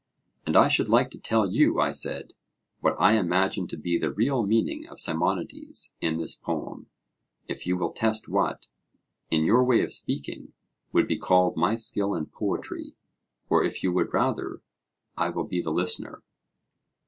And I should like to tell you, I said, what I imagine to be the real meaning of Simonides in this poem, if you will test what, in your way of speaking, would be called my skill in poetry; or if you would rather, I will be the listener.